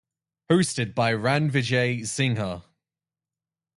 Hosted by Rannvijay Singha.